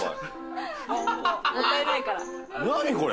何これ？